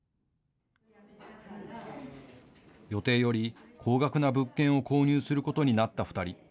予定より高額な物件を購入することになった２人。